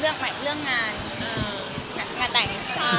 เรื่องอะไรของเธอของ